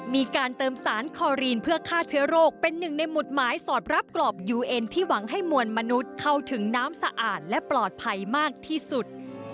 มีการเติมสารคอรีนเพื่อฆ่าเชื้อโรคเป็นหนึ่งในหมุดหมายสอดรับกรอบยูเอ็นที่หวังให้มวลมนุษย์เข้าถึงน้ำสะอาดและปลอดภัยมากที่สุด